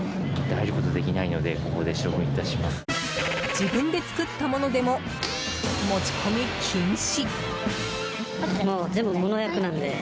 自分で作ったものでも持ち込み禁止。